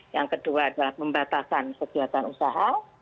yang kedua adalah pembatasan kegiatan usaha